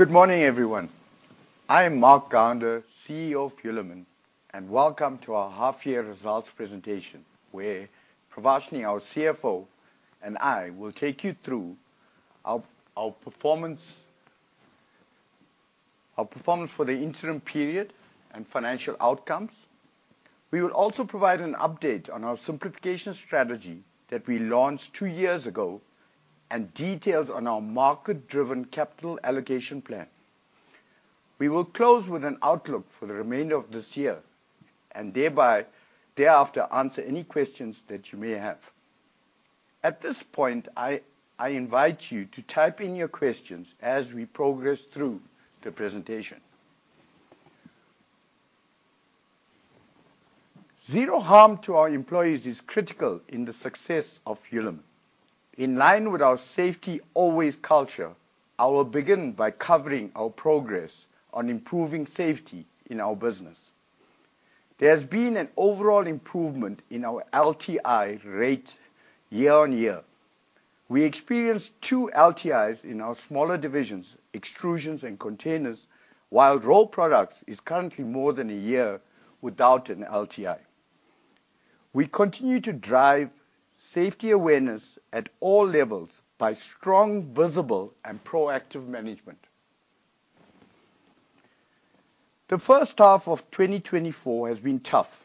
Good morning, everyone. I'm Mark Gounder, CEO of Hulamin, and welcome to our half year results presentation, where Pravashni, our CFO, and I will take you through our performance for the interim period and financial outcomes. We will also provide an update on our simplification strategy that we launched two years ago, and details on our market-driven capital allocation plan. We will close with an outlook for the remainder of this year, and then thereafter answer any questions that you may have. At this point, I invite you to type in your questions as we progress through the presentation. Zero harm to our employees is critical in the success of Hulamin. In line with our safety always culture, I will begin by covering our progress on improving safety in our business. There has been an overall improvement in our LTI rate year-on-year. We experienced 2 LTIs in our smaller divisions, Extrusions and Containers. While Rolled Products is currently more than a year without an LTI. We continue to drive safety awareness at all levels by strong, visible, and proactive management. The first half of 2024 has been tough,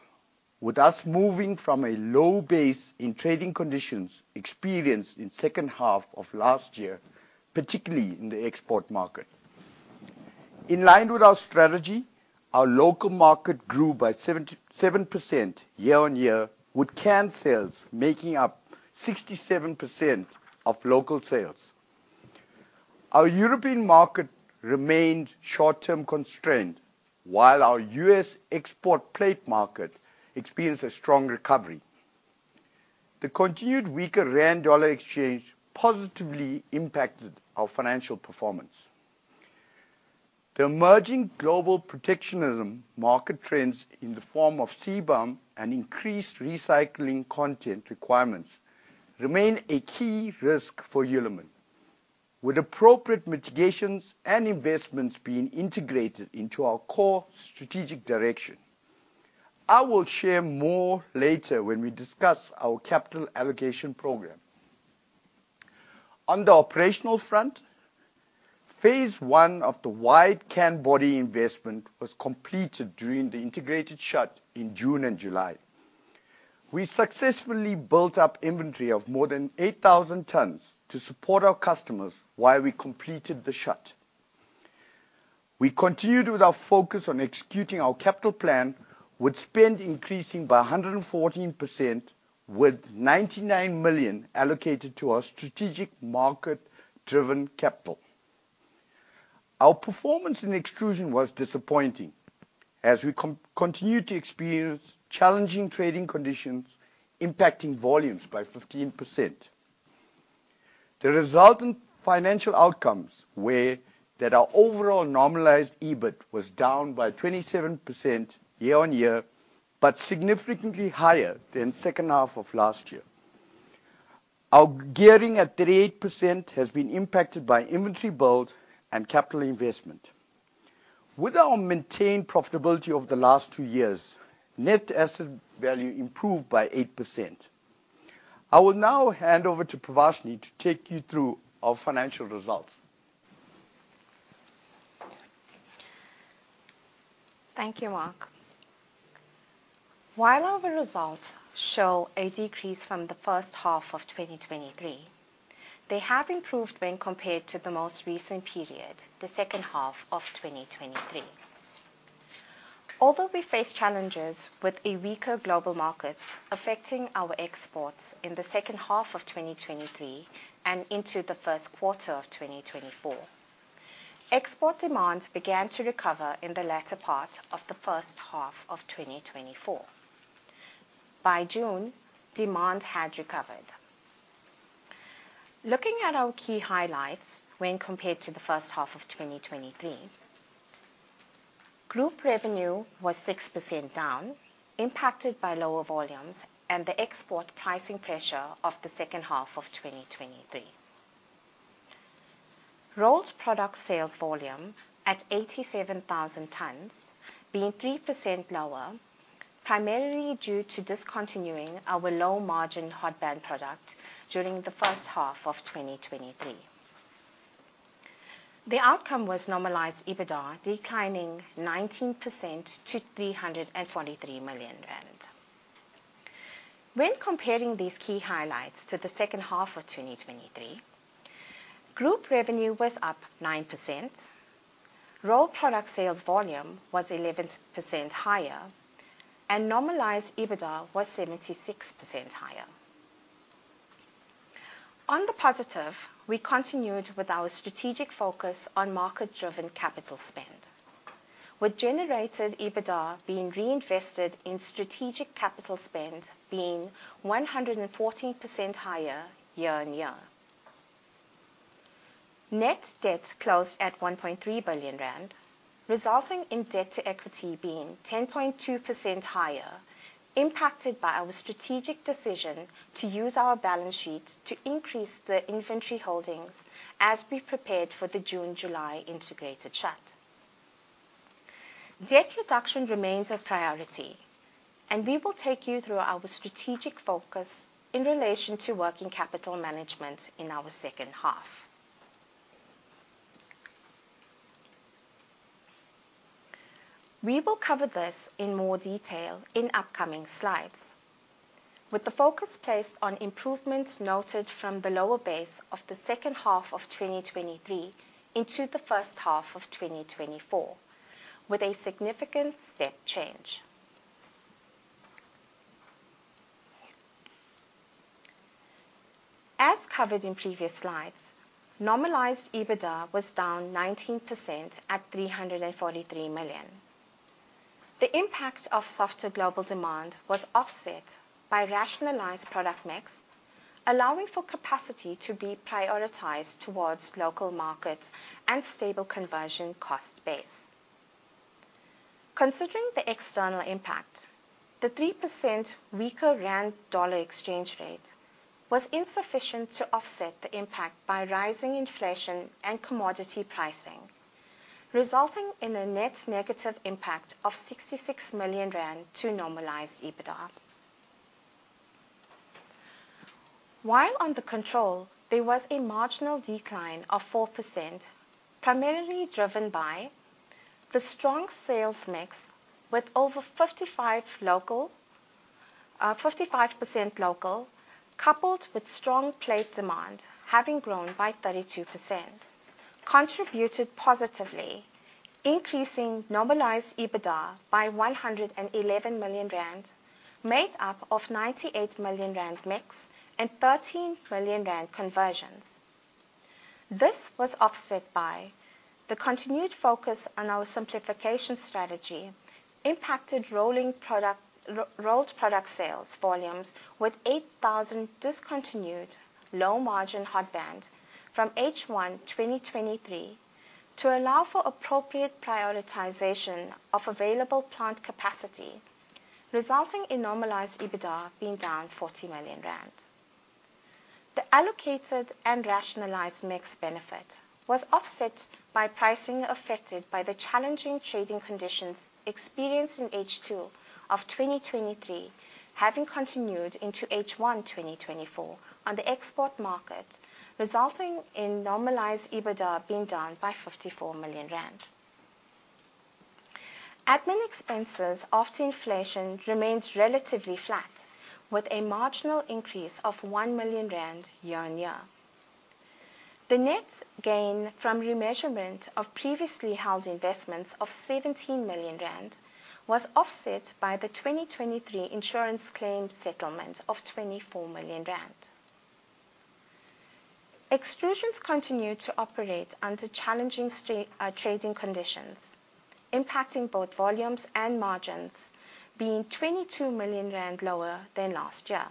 with us moving from a low base in trading conditions experienced in second half of last year, particularly in the export market. In line with our strategy, our local market grew by 77% year-on-year, with can sales making up 67% of local sales. Our European market remained short-term constrained, while our U.S. export plate market experienced a strong recovery. The continued weaker rand-dollar exchange positively impacted our financial performance. The emerging global protectionism market trends in the form of CBAM and increased recycling content requirements remain a key risk for Hulamin, with appropriate mitigations and investments being integrated into our core strategic direction. I will share more later when we discuss our capital allocation program. On the operational front, phase one of the wide can body investment was completed during the integrated shut in June and July. We successfully built up inventory of more than 8,000 tonnes to support our customers while we completed the shut. We continued with our focus on executing our capital plan, with spend increasing by 114%, with 99 million allocated to our strategic market-driven capital. Our performance in Extrusions was disappointing as we continue to experience challenging trading conditions impacting volumes by 15%. The resultant financial outcomes were that our overall normalized EBIT was down by 27% year-on-year, but significantly higher than second half of last year. Our gearing at 38% has been impacted by inventory build and capital investment. With our maintained profitability over the last 2 years, net asset value improved by 8%. I will now hand over to Pravashni to take you through our financial results. Thank you, Mark. While our results show a decrease from the first half of 2023, they have improved when compared to the most recent period, the second half of 2023. Although we face challenges with a weaker global markets affecting our exports in the second half of 2023 and into the first quarter of 2024, export demand began to recover in the latter part of the first half of 2024. By June, demand had recovered. Looking at our key highlights when compared to the first half of 2023, group revenue was 6% down, impacted by lower volumes and the export pricing pressure of the second half of 2023. Rolled Products sales volume at 87,000 tons, being 3% lower, primarily due to discontinuing our low-margin hot band product during the first half of 2023. The outcome was normalized EBITDA declining 19% to 343 million rand. When comparing these key highlights to the second half of 2023, group revenue was up 9%, rolled product sales volume was 11% higher, and normalized EBITDA was 76% higher. On the positive, we continued with our strategic focus on market-driven capital spend, with generated EBITDA being reinvested in strategic capital spend being 114% higher year-on-year. Net debt closed at 1.3 billion rand. Resulting in debt to equity being 10.2% higher, impacted by our strategic decision to use our balance sheet to increase the inventory holdings as we prepared for the June/July integrated shut. Debt reduction remains a priority, and we will take you through our strategic focus in relation to working capital management in our second half. We will cover this in more detail in upcoming slides, with the focus placed on improvements noted from the lower base of the second half of 2023 into the first half of 2024, with a significant step change. As covered in previous slides, normalized EBITDA was down 19% at 343 million. The impact of softer global demand was offset by rationalized product mix, allowing for capacity to be prioritized towards local markets and stable conversion cost base. Considering the external impact, the 3% weaker rand dollar exchange rate was insufficient to offset the impact by rising inflation and commodity pricing, resulting in a net negative impact of 66 million rand to normalized EBITDA. While under control, there was a marginal decline of 4%, primarily driven by the strong sales mix with over 55 local... 55% local, coupled with strong plate demand having grown by 32%, contributed positively, increasing normalized EBITDA by 111 million rand, made up of 98 million rand mix and 13 million rand conversions. This was offset by the continued focus on our simplification strategy impacted rolled product sales volumes with 8,000 discontinued low-margin hot band from H1 2023 to allow for appropriate prioritization of available plant capacity, resulting in normalized EBITDA being down 40 million rand. The allocated and rationalized mix benefit was offset by pricing affected by the challenging trading conditions experienced in H2 of 2023, having continued into H1 2024 on the export market, resulting in normalized EBITDA being down by 54 million rand. Admin expenses after inflation remains relatively flat, with a marginal increase of 1 million rand year-on-year. The net gain from remeasurement of previously held investments of 17 million rand was offset by the 2023 insurance claim settlement of 24 million rand. Extrusions continue to operate under challenging trading conditions, impacting both volumes and margins, being 22 million rand lower than last year.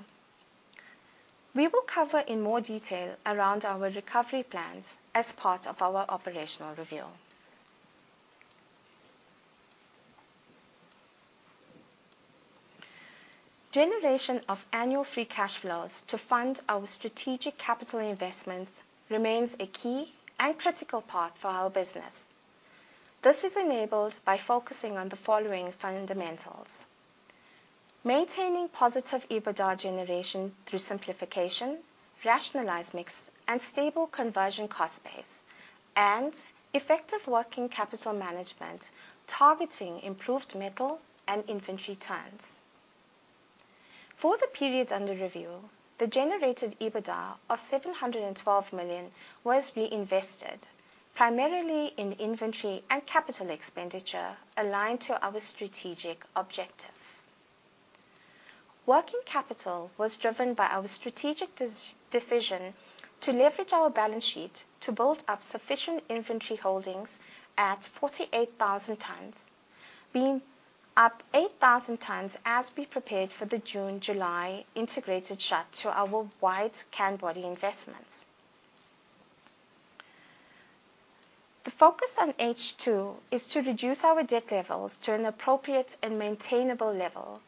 We will cover in more detail around our recovery plans as part of our operational review. Generation of annual free cash flows to fund our strategic capital investments remains a key and critical part for our business. This is enabled by focusing on the following fundamentals: maintaining positive EBITDA generation through simplification, rationalized mix, and stable conversion cost base, and effective working capital management targeting improved metal and inventory turns. For the period under review, the generated EBITDA of 712 million was reinvested, primarily in inventory and capital expenditure aligned to our strategic objective. Working capital was driven by our strategic decision to leverage our balance sheet to build up sufficient inventory holdings at 48,000 tons, being up 8,000 tons as we prepared for the June/July integrated shut to our wide can body investments. The focus on H2 is to reduce our debt levels to an appropriate and maintainable level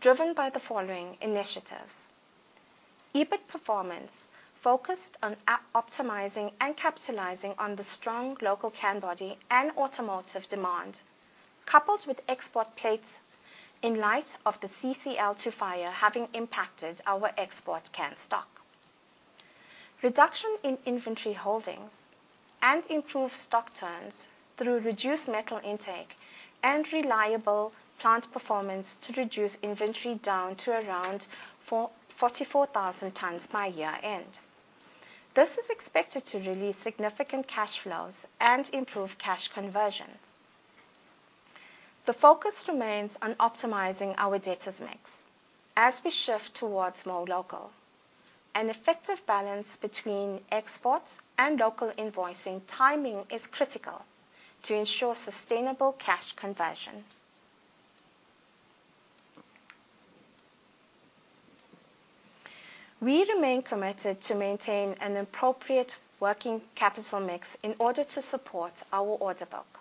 driven by the following initiatives. EBIT performance focused on optimizing and capitalizing on the strong local can body and automotive demand, coupled with export plates in light of the CCL2 fire having impacted our export can stock. Reduction in inventory holdings and improved stock turns through reduced metal intake and reliable plant performance to reduce inventory down to around 44,000 tons by year-end. This is expected to release significant cash flows and improve cash conversions. The focus remains on optimizing our debtors mix as we shift towards more local. An effective balance between exports and local invoicing timing is critical to ensure sustainable cash conversion. We remain committed to maintain an appropriate working capital mix in order to support our order book.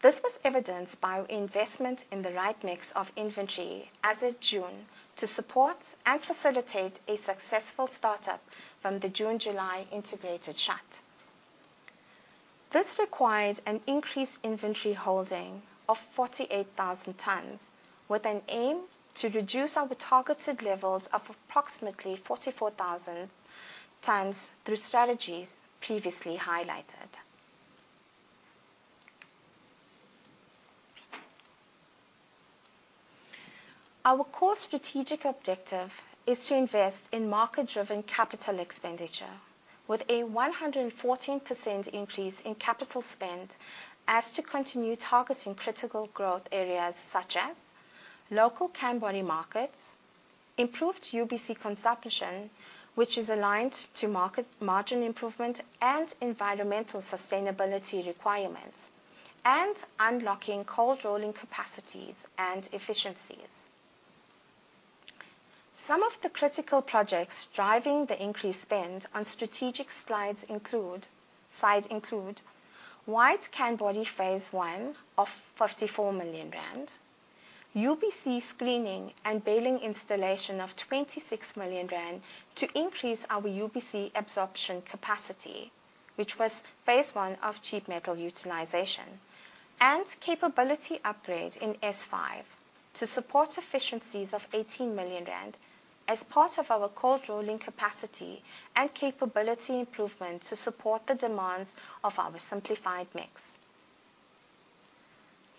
This was evidenced by investment in the right mix of inventory as of June to support and facilitate a successful startup from the June-July integrated shut. This required an increased inventory holding of 48,000 tons with an aim to reduce our targeted levels of approximately 44,000 tons through strategies previously highlighted. Our core strategic objective is to invest in market-driven capital expenditure with a 114% increase in capital spend to continue targeting critical growth areas such as local can body markets, improved UBC consumption, which is aligned to market margin improvement and environmental sustainability requirements, and unlocking cold rolling capacities and efficiencies. Some of the critical projects driving the increased spend on strategic CapEx include wide can body phase one of 54 million rand, UBC screening and baling installation of 26 million rand to increase our UBC absorption capacity, which was phase one of cheap metal utilization, and capability upgrade in S5 to support efficiencies of 18 million rand as part of our cold rolling capacity and capability improvement to support the demands of our simplified mix.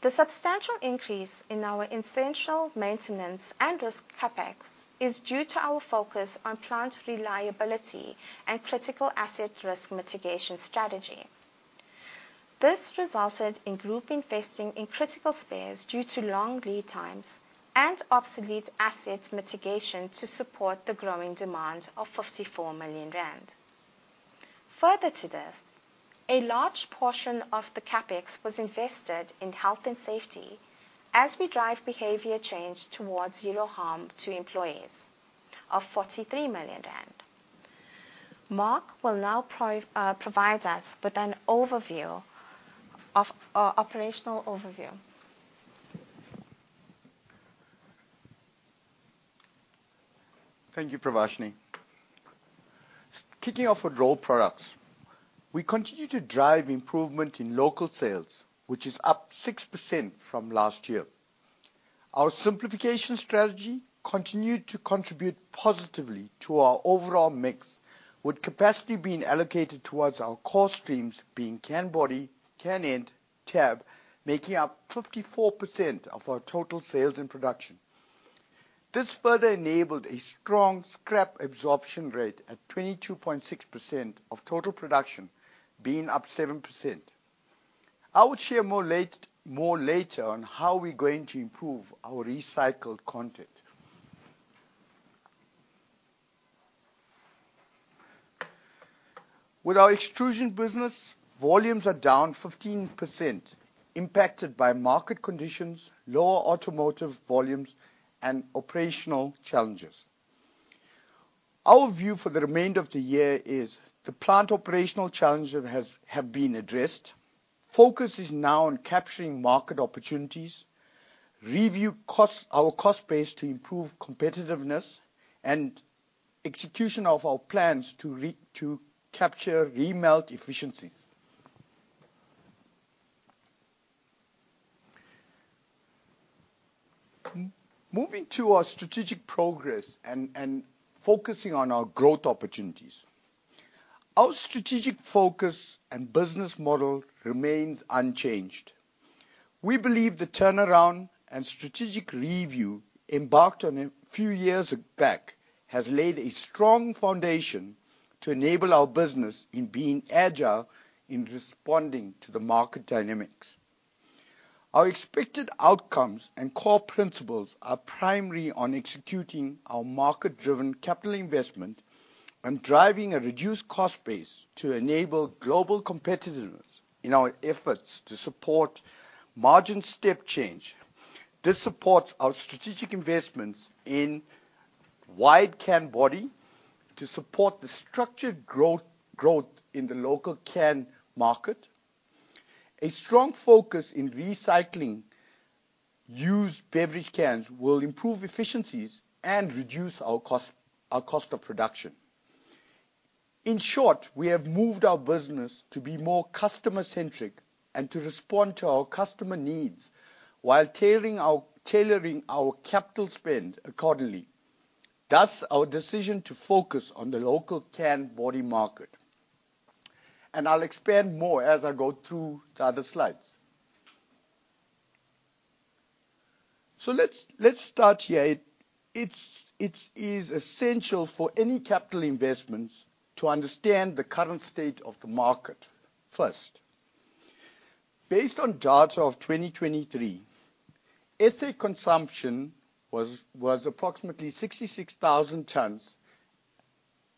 The substantial increase in our essential maintenance and risk CapEx is due to our focus on plant reliability and critical asset risk mitigation strategy. This resulted in group investing in critical spares due to long lead times and obsolete asset mitigation to support the growing demand of 54 million rand. Further to this, a large portion of the CapEx was invested in health and safety as we drive behavior change towards zero harm to employees of 43 million rand. Mark will now provide us with an overview of operational overview. Thank you, Pravashni. Kicking off with Rolled Products, we continue to drive improvement in local sales, which is up 6% from last year. Our simplification strategy continued to contribute positively to our overall mix, with capacity being allocated towards our core streams being can body, can end, tab, making up 54% of our total sales and production. This further enabled a strong scrap absorption rate at 22.6% of total production being up 7%. I will share more later on how we're going to improve our recycled content. With our Extrusions business, volumes are down 15%, impacted by market conditions, lower automotive volumes and operational challenges. Our view for the remainder of the year is the plant operational challenges have been addressed. Focus is now on capturing market opportunities, our cost base to improve competitiveness and execution of our plans to capture re-melt efficiencies. Moving to our strategic progress and focusing on our growth opportunities. Our strategic focus and business model remains unchanged. We believe the turnaround and strategic review embarked on a few years ago has laid a strong foundation to enable our business in being agile in responding to the market dynamics. Our expected outcomes and core principles are primarily on executing our market-driven capital investment and driving a reduced cost base to enable global competitiveness in our efforts to support margin step change. This supports our strategic investments in wide can body to support the structured growth in the local can market. A strong focus in recycling used beverage cans will improve efficiencies and reduce our cost of production. In short, we have moved our business to be more customer-centric and to respond to our customer needs while tailoring our capital spend accordingly. Thus our decision to focus on the local can body market. I'll expand more as I go through the other slides. Let's start here. It is essential for any capital investments to understand the current state of the market first. Based on data of 2023, SA consumption was approximately 66,000 tons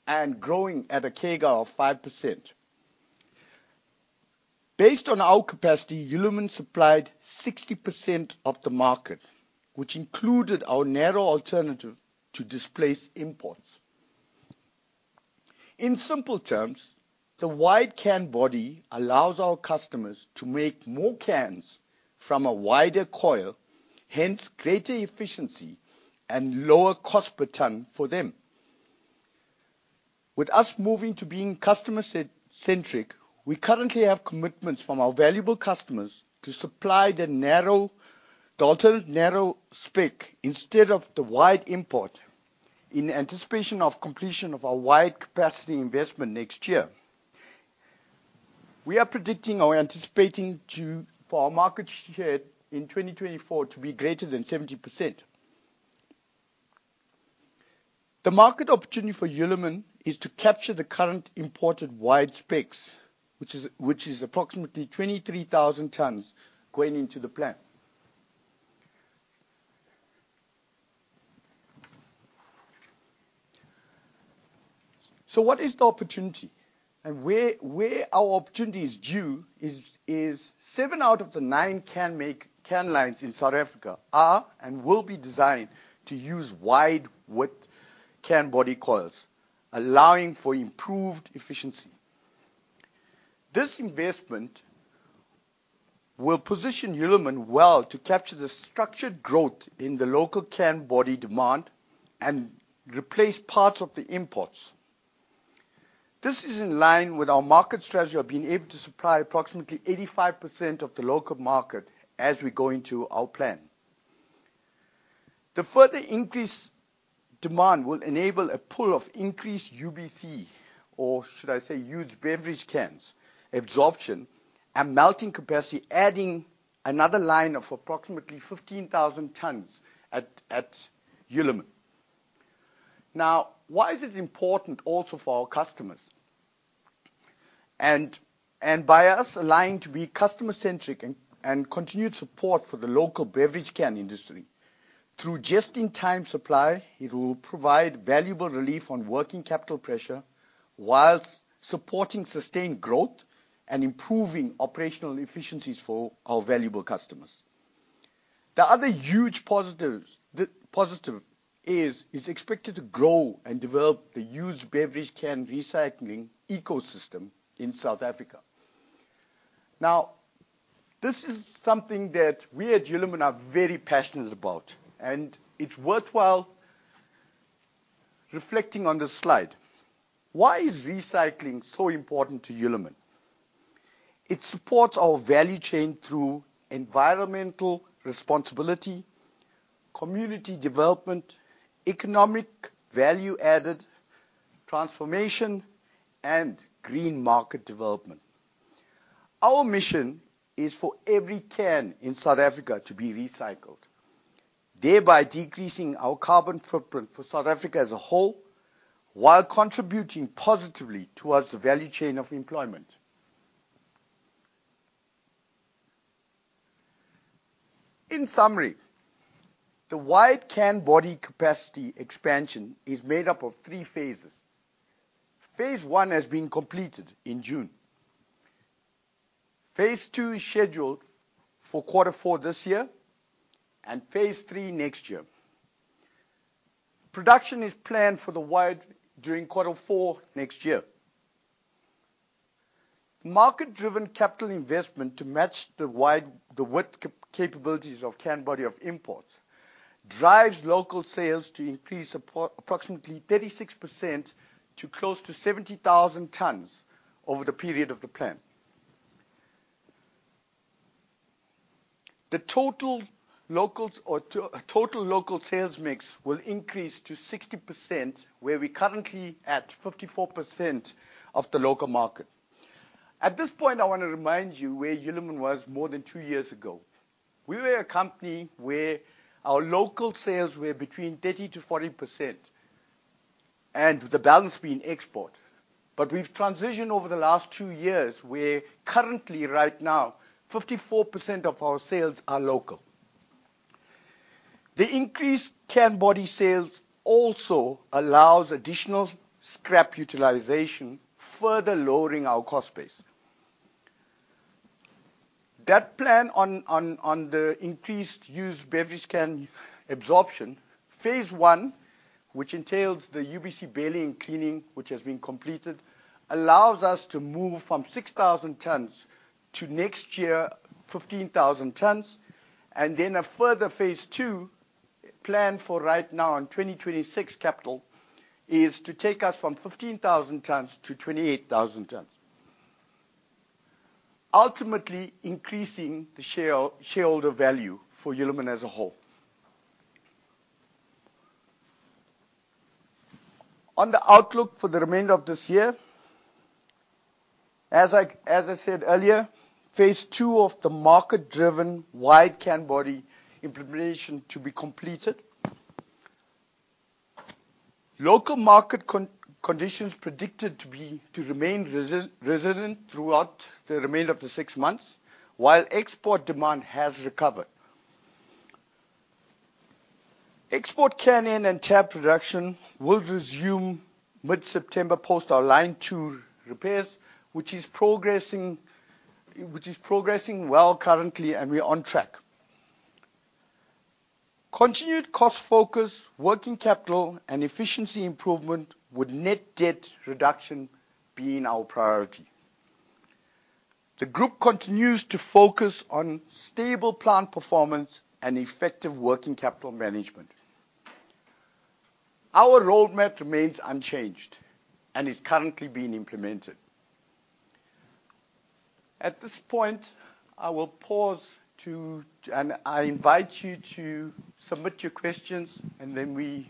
and growing at a CAGR of 5%. Based on our capacity, Hulamin supplied 60% of the market, which included our narrow alternative to displace imports. In simple terms, the wide can body allows our customers to make more cans from a wider coil, hence greater efficiency and lower cost per ton for them. With us moving to being customer-centric, we currently have commitments from our valuable customers to supply the altered narrow spec instead of the wide import in anticipation of completion of our wide capacity investment next year. We are predicting or anticipating for our market share in 2024 to be greater than 70%. The market opportunity for Hulamin is to capture the current imported wide specs, which is approximately 23,000 tons going into the plan. What is the opportunity and where our opportunity is due is 7 out of the 9 can lines in South Africa are and will be designed to use wide width can body coils, allowing for improved efficiency. This investment will position Hulamin well to capture the structured growth in the local can body demand and replace parts of the imports. This is in line with our market strategy of being able to supply approximately 85% of the local market as we go into our plan. The further increased demand will enable a pull of increased UBC, or should I say used beverage cans absorption and melting capacity, adding another line of approximately 15,000 tons at Hulamin. Now, why is it important also for our customers? By us aligning to be customer-centric and continued support for the local beverage can industry. Through just-in-time supply, it will provide valuable relief on working capital pressure while supporting sustained growth and improving operational efficiencies for our valuable customers. The other huge positive is expected to grow and develop the used beverage can recycling ecosystem in South Africa. Now, this is something that we at Hulamin are very passionate about, and it's worthwhile reflecting on this slide. Why is recycling so important to Hulamin? It supports our value chain through environmental responsibility, community development, economic value added, transformation and green market development. Our mission is for every can in South Africa to be recycled, thereby decreasing our carbon footprint for South Africa as a whole, while contributing positively towards the value chain of employment. In summary, the wide can body capacity expansion is made up of three phases. Phase one has been completed in June. Phase two is scheduled for quarter four this year, and phase three next year. Production is planned for the wide during quarter four next year. Market-driven capital investment to match the width capabilities of can body of imports drives local sales to increase approximately 36% to close to 70,000 tons over the period of the plan. The total local sales mix will increase to 60%, where we're currently at 54% of the local market. At this point, I wanna remind you where Hulamin was more than two years ago. We were a company where our local sales were between 30%-40% and the balance being export. We've transitioned over the last two years. We're currently right now 54% of our sales are local. The increased can body sales also allows additional scrap utilization, further lowering our cost base. That plan on the increased used beverage can absorption, phase one, which entails the UBC baling and cleaning, which has been completed, allows us to move from 6,000 tons to next year, 15,000 tons, and then a further phase two plan, for 2026 CapEx, is to take us from 15,000 tons to 28,000 tons. Ultimately increasing the shareholder value for Hulamin as a whole. On the outlook for the remainder of this year, as I said earlier, phase two of the market-driven wide can body implementation to be completed. Local market conditions predicted to remain resilient throughout the remainder of the six months, while export demand has recovered. Export can end and tab production will resume mid-September post our Line 2 repairs, which is progressing well currently, and we're on track. Continued cost focus, working capital, and efficiency improvement with net debt reduction being our priority. The group continues to focus on stable plant performance and effective working capital management. Our roadmap remains unchanged and is currently being implemented. At this point, I will pause and I invite you to submit your questions, and then we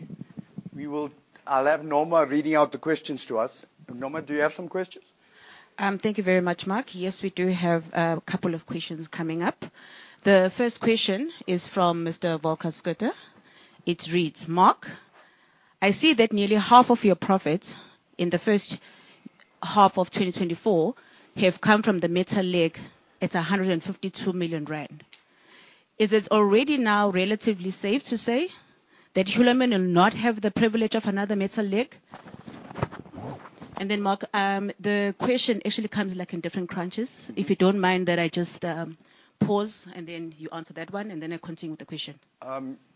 will. I'll have Norma reading out the questions to us. Norma, do you have some questions? Thank you very much, Mark. Yes, we do have a couple of questions coming up. The first question is from Mr. Volker Schlettwein. It reads: Mark, I see that nearly half of your profits in the first half of 2024 have come from the metal price lag at 152 million rand. Is it already now relatively safe to say that Hulamin will not have the privilege of another metal price lag? And then, Mark, the question actually comes like in different chunks. If you don't mind that I just pause, and then you answer that one, and then I continue with the question.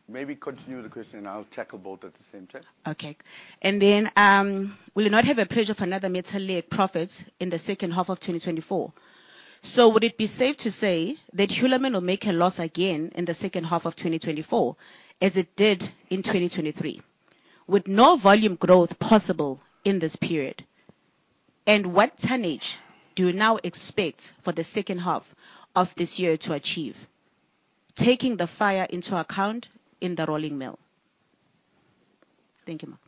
Maybe continue with the question and I'll tackle both at the same time. Will you not have a benefit of another metal price lag profits in the second half of 2024? Would it be safe to say that Hulamin will make a loss again in the second half of 2024, as it did in 2023, with no volume growth possible in this period? What tonnage do you now expect for the second half of this year to achieve, taking the fire into account in the rolling mill? Thank you, Mark.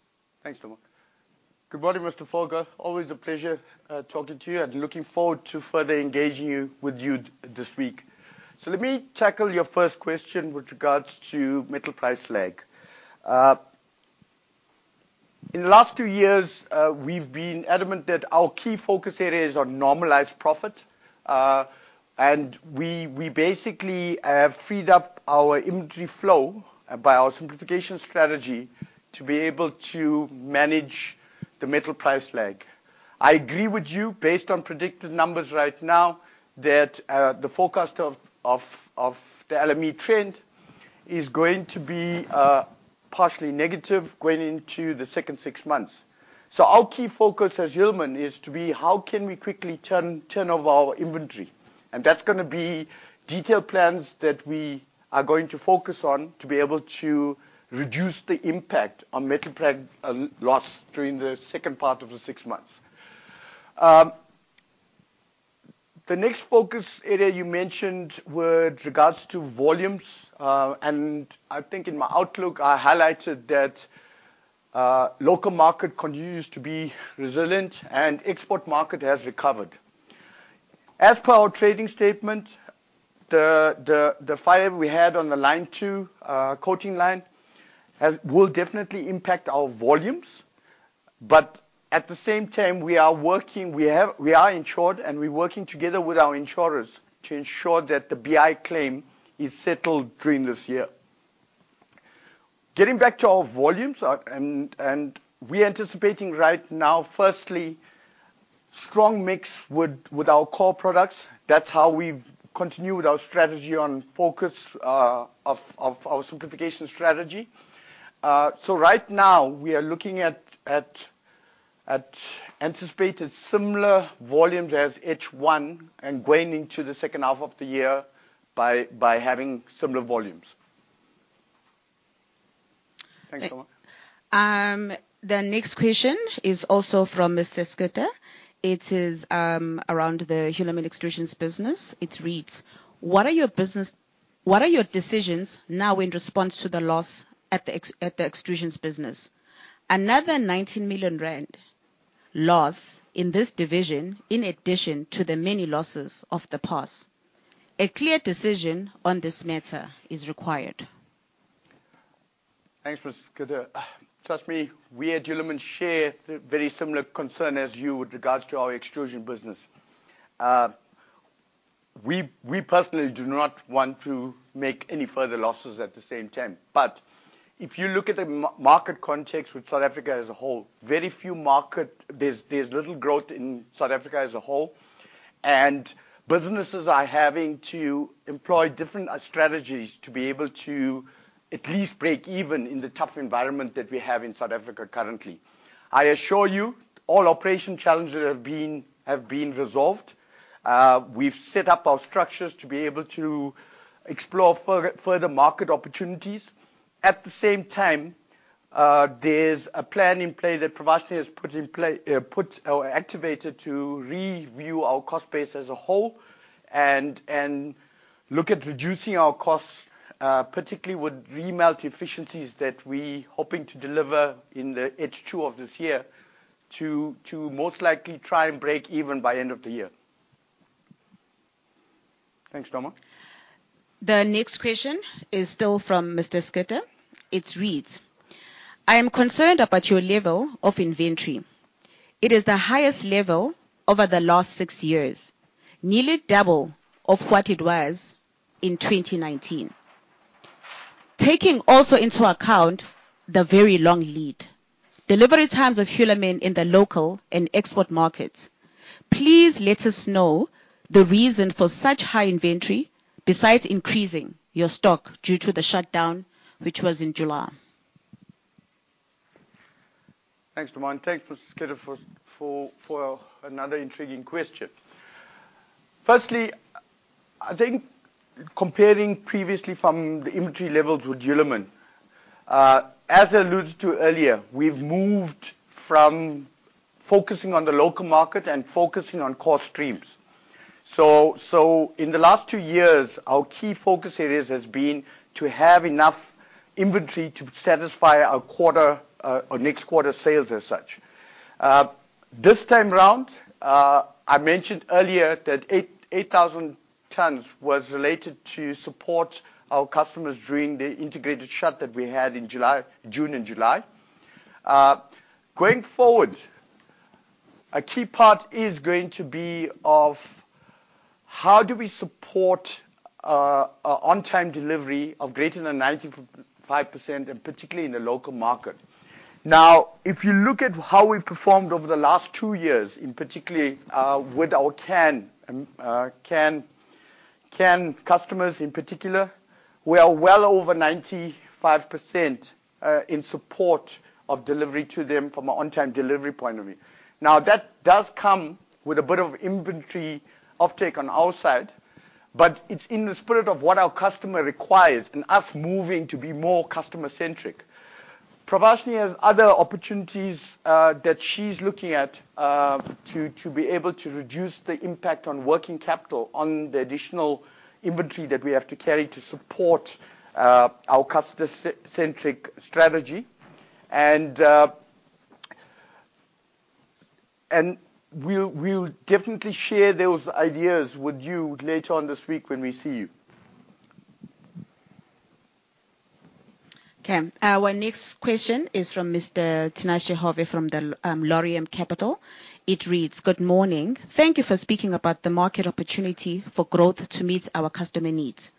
Thanks, Norma. Good morning, Mr. Volker Schlettwein. Always a pleasure talking to you. I'm looking forward to further engaging with you this week. Let me tackle your first question with regards to metal price lag. In the last two years, we've been adamant that our key focus areas are normalized profit. We basically have freed up our inventory flow by our simplification strategy to be able to manage the metal price lag. I agree with you based on predicted numbers right now that the forecast of the LME trend is going to be partially negative going into the second six months. Our key focus as Hulamin is how can we quickly turn over our inventory? That's gonna be detailed plans that we are going to focus on to be able to reduce the impact on metal price lag during the second part of the six months. The next focus area you mentioned were with regards to volumes. I think in my outlook, I highlighted that local market continues to be resilient and export market has recovered. As per our trading statement, the fire we had on the Line 2 coating line will definitely impact our volumes. But at the same time, we are insured, and we're working together with our insurers to ensure that the BI claim is settled during this year. Getting back to our volumes, we're anticipating right now, firstly, strong mix with our core products. That's how we've continued our strategy and focus of our simplification strategy. Right now we are looking at anticipated similar volumes as H1 and going into the second half of the year by having similar volumes. Thanks, Norma. The next question is also from Mr. Schlettwein. It is around the Hulamin Extrusions business. It reads: What are your decisions now in response to the loss at the Extrusions business? Another 19 million rand loss in this division, in addition to the many losses of the past. A clear decision on this matter is required. Thanks, Mr. Schlettwein. Trust me, we at Hulamin share the very similar concern as you with regards to our Extrusions business. We personally do not want to make any further losses at the same time. If you look at the market context with South Africa as a whole, there's little growth in South Africa as a whole, and businesses are having to employ different strategies to be able to at least break even in the tough environment that we have in South Africa currently. I assure you, all operational challenges have been resolved. We've set up our structures to be able to explore further market opportunities. At the same time, there's a plan in place that Pravashni has put or activated to review our cost base as a whole and look at reducing our costs, particularly with re-melt efficiencies that we hoping to deliver in the H2 of this year to most likely try and break even by end of the year. Thanks, Norma. The next question is still from Mr. Schlettwein. It reads: I am concerned about your level of inventory. It is the highest level over the last six years, nearly double of what it was in 2019. Taking also into account the very long lead delivery times of Hulamin in the local and export markets, please let us know the reason for such high inventory besides increasing your stock due to the shutdown, which was in July. Thanks, Toma. Thanks, Mr. Schlettwein for another intriguing question. Firstly, I think comparing previously from the inventory levels with Hulamin, as I alluded to earlier, we've moved from focusing on the local market and focusing on core streams. In the last two years, our key focus areas has been to have enough inventory to satisfy our quarter or next quarter sales as such. This time round, I mentioned earlier that 8,000 tons was related to support our customers during the integrated shut that we had in July, June and July. Going forward, a key part is going to be of how do we support on-time delivery of greater than 95%, and particularly in the local market. Now, if you look at how we've performed over the last two years, in particular, with our can customers in particular, we are well over 95% in support of delivery to them from an on-time delivery point of view. Now, that does come with a bit of inventory offtake on our side, but it's in the spirit of what our customer requires and us moving to be more customer-centric. Pravashni has other opportunities that she's looking at to be able to reduce the impact on working capital on the additional inventory that we have to carry to support our customer-centric strategy. We'll definitely share those ideas with you later on this week when we see you. Okay. Our next question is from Mr. Tinashe Hove from the Laurium Capital. It reads, "Good morning. Thank you for speaking about the market opportunity for growth to meet our customer needs.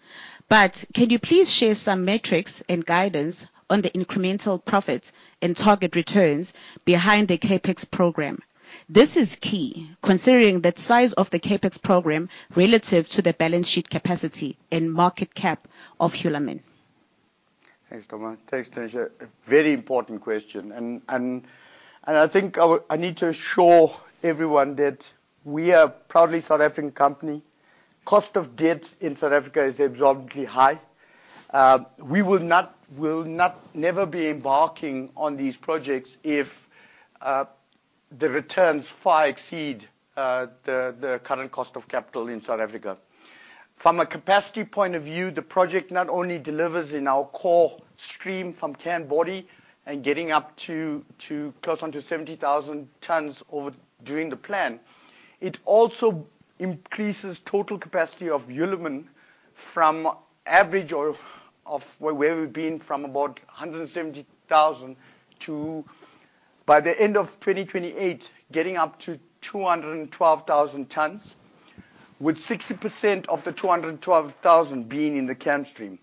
Can you please share some metrics and guidance on the incremental profits and target returns behind the CapEx program? This is key considering the size of the CapEx program relative to the balance sheet capacity and market cap of Hulamin. Thanks, Toma. Thanks, Tinashe. A very important question and I think I need to assure everyone that we are a proudly South African company. Cost of debt in South Africa is exorbitantly high. We will not never be embarking on these projects if the returns do not far exceed the current cost of capital in South Africa. From a capacity point of view, the project not only delivers in our core stream from can body and getting up to close to 70,000 tons over the plan. It also increases total capacity of Hulamin from average of where we've been from about 170,000 to, by the end of 2028, getting up to 212,000 tons, with 60% of the 212,000 being in the can stream.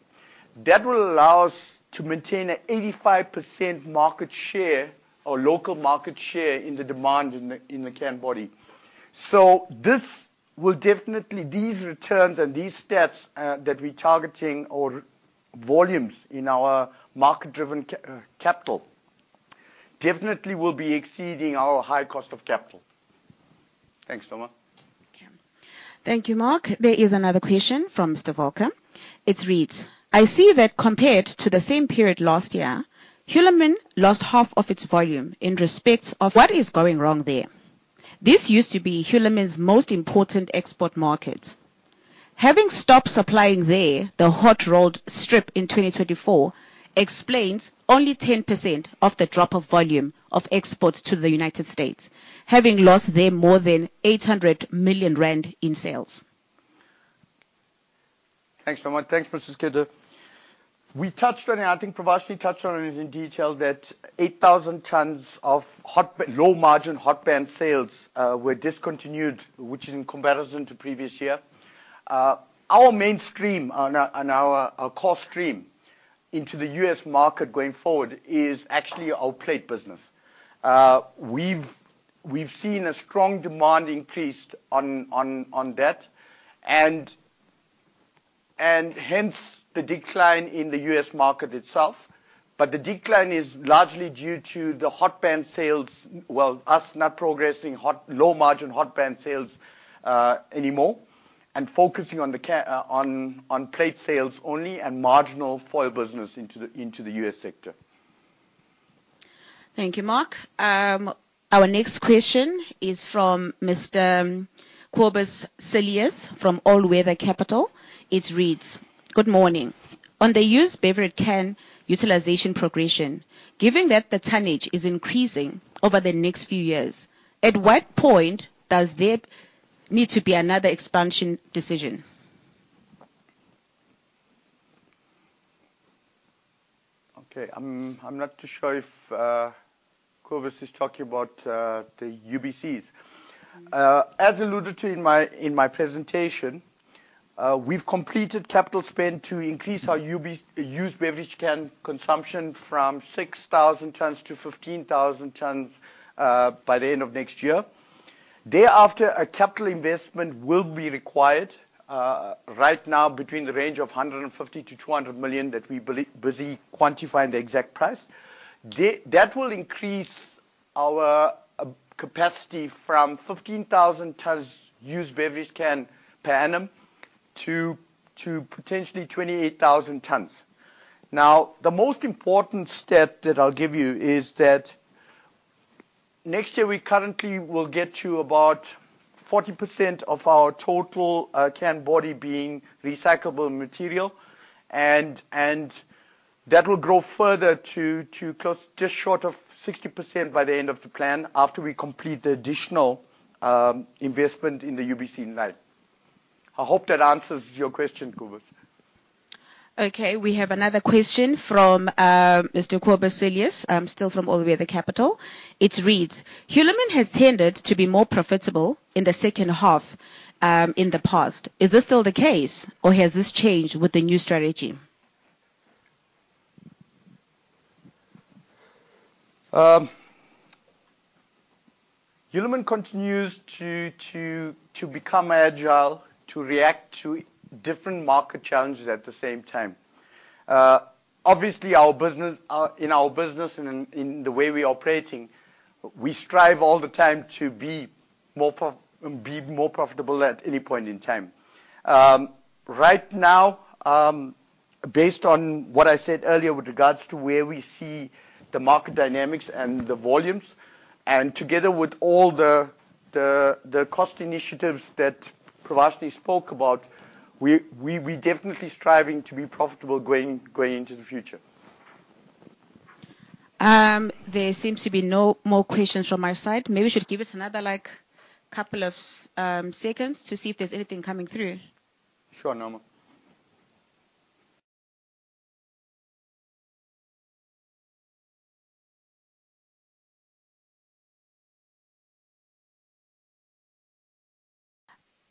That will allow us to maintain an 85% market share or local market share in the demand in the can body. These returns and these stats that we're targeting or volumes in our market-driven capital definitely will be exceeding our high cost of capital. Thanks, Toma. Okay. Thank you, Mark. There is another question from Mr. Volker Schlettwein. It reads, "I see that compared to the same period last year, Hulamin lost half of its volume in respect of what is going wrong there. This used to be Hulamin's most important export market. Having stopped supplying there, the hot rolled strip in 2024 explains only 10% of the drop of volume of exports to the U.S., having lost there more than 800 million rand in sales. Thanks, Toma. Thanks, Mr. Volker Schlettwein. We touched on it. I think Pravashni touched on it in detail that 8,000 tons of low margin hot band sales were discontinued, which is in comparison to previous year. Our mainstream and our core stream into the U.S. market going forward is actually our plate business. We've seen a strong demand increase on that and hence the decline in the U.S. market itself. The decline is largely due to the hot band sales, well, us not progressing low margin hot band sales anymore, and focusing on plate sales only and marginal foil business into the U.S. sector. Thank you, Mark. Our next question is from Mr. Kobus Cilliers from Allweather Capital. It reads, "Good morning. On the used beverage can utilization progression, given that the tonnage is increasing over the next few years, at what point does there need to be another expansion decision? I'm not too sure if Kobus is talking about the UBCs. As alluded to in my presentation, we've completed capital spend to increase our UBC used beverage can consumption from 6,000 tons to 15,000 tons by the end of next year. Thereafter, a capital investment will be required right now between the range of 150-200 million that we busy quantifying the exact price. That will increase our capacity from 15,000 tons used beverage can per annum to potentially 28,000 tons. Now, the most important step that I'll give you is that next year we currently will get to about 40% of our total can body being recyclable material and that will grow further to close just short of 60% by the end of the plan after we complete the additional investment in the UBC line. I hope that answers your question, Kobus. Okay, we have another question from Mr. Kobus Cilliers, still from Allweather Capital. It reads: Hulamin has tended to be more profitable in the second half, in the past. Is this still the case or has this changed with the new strategy? Hulamin continues to become agile to react to different market challenges at the same time. Obviously, in our business and in the way we are operating, we strive all the time to be more profitable at any point in time. Right now, based on what I said earlier with regards to where we see the market dynamics and the volumes, and together with all the cost initiatives that Pravashni spoke about, we definitely striving to be profitable going into the future. There seems to be no more questions from my side. Maybe we should give it another like couple of seconds to see if there's anything coming through. Sure, Norma.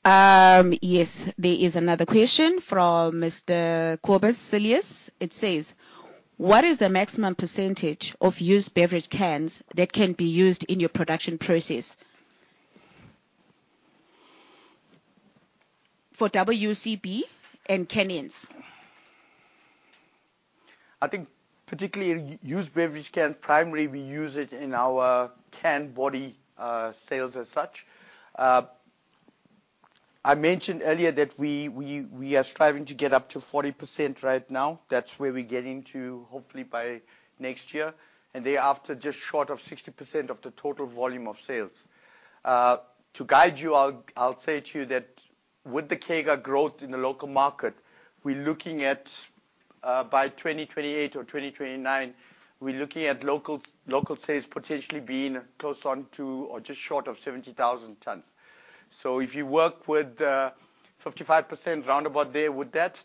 Yes. There is another question from Mr. Kobus Cilliers. It says: What is the maximum percentage of used beverage cans that can be used in your production process? For WCB and can ends. I think particularly in used beverage cans, primarily we use it in our can body sales as such. I mentioned earlier that we are striving to get up to 40% right now. That's where we're getting to hopefully by next year, and thereafter, just short of 60% of the total volume of sales. To guide you, I'll say to you that with the CAGR growth in the local market, we're looking at by 2028 or 2029, we're looking at local sales potentially being close on to or just short of 70,000 tons. If you work with 55% roundabout there with that's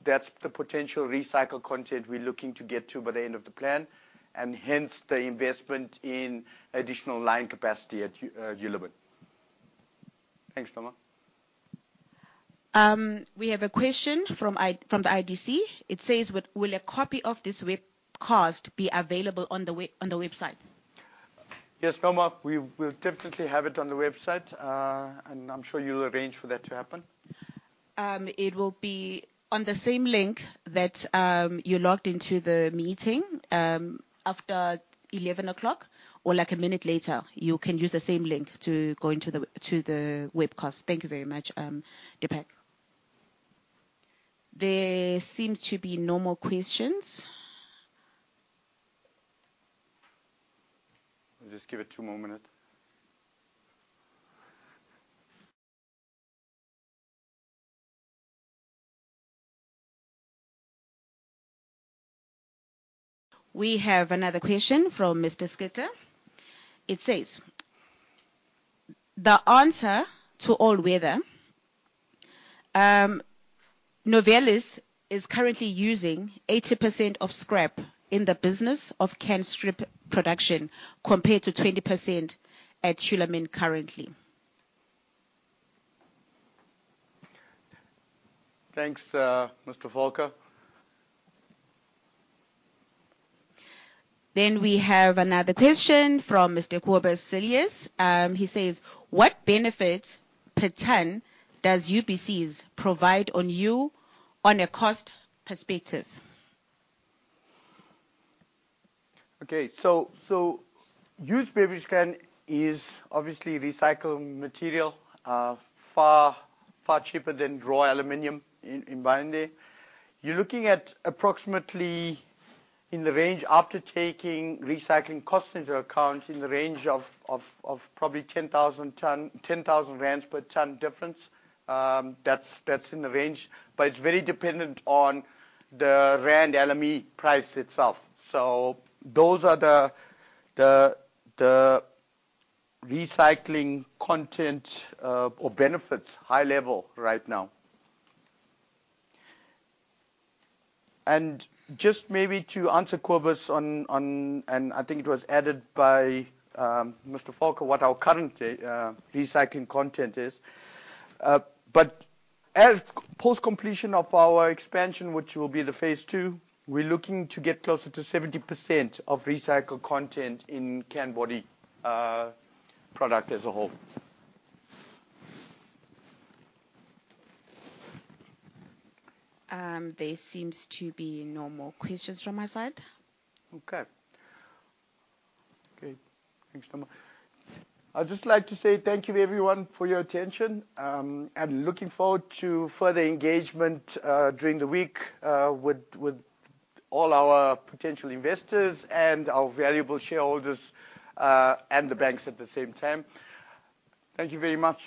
the potential recycled content we're looking to get to by the end of the plan, and hence the investment in additional line capacity at Hulamin. Thanks, Norma. We have a question from the IDC. It says: Will a copy of this webcast be available on the website? Yes, Norma, we will definitely have it on the website. I'm sure you'll arrange for that to happen. It will be on the same link that you logged into the meeting after 11 o'clock or like a minute later. You can use the same link to go into the webcast. Thank you very much, Dipak. There seems to be no more questions. Just give it two more minutes. We have another question from Mr. Schlettwein. It says: The answer to Allweather, Novelis is currently using 80% of scrap in the business of can strip production compared to 20% at Hulamin currently. Thanks, Mr. Volker Schlettwein. We have another question from Mr. Kobus Cilliers. He says: What benefit per ton does UBCs provide on you on a cost perspective? Used beverage can is obviously recycled material, far cheaper than raw aluminum in buying there. You're looking at approximately in the range after taking recycling cost into account in the range of probably 10,000 rand per ton difference. That's in the range. But it's very dependent on the rand LME price itself. Those are the recycling content or benefits high level right now. Just maybe to answer Kobus Cilliers on and I think it was added by Mr. Volker Schlettwein, what our current recycling content is. But at post-completion of our expansion, which will be the phase two, we're looking to get closer to 70% of recycled content in can body product as a whole. There seems to be no more questions from my side. Okay. Thanks, Norma. I'd just like to say thank you everyone for your attention. I'm looking forward to further engagement during the week with all our potential investors and our valuable shareholders and the banks at the same time. Thank you very much.